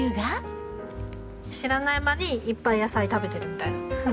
知らない間にいっぱい野菜食べてるみたいな。